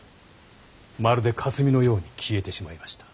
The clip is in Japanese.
まるで霞のように消えてしまいました。